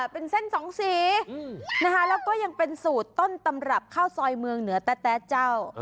เป็นเส้นสองสีนะคะแล้วก็ยังเป็นสูตรต้นตำรับข้าวซอยเมืองเหนือแต๊ะเจ้า